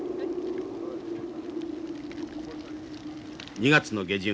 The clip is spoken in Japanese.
２月の下旬。